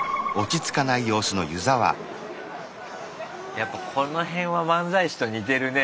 やっぱこの辺は漫才師と似てるね